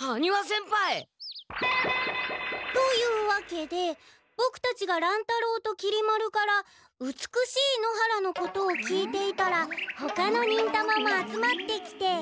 羽丹羽先輩！というわけでボクたちが乱太郎ときり丸から美しい野原のことを聞いていたらほかの忍たまも集まってきて。